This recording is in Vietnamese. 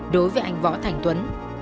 đối với anh võ thành tuấn